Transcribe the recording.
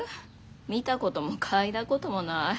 見たことも嗅いだこともない。